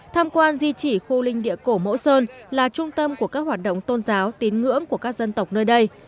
tham quan di chỉ khu linh địa cổ mẫu sơn là trung tâm của các hoạt động tôn giáo tín ngưỡng của các dân tộc nơi đây